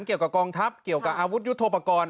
เกี่ยวกับกองทัพเกี่ยวกับอาวุธยุทธโปรกรณ์